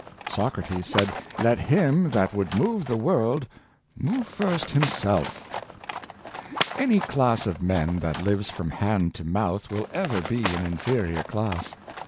Soc rates said, "Let him that would move the world move first himself" Any class of men that lives from hand to mouth will ever be an inferior class.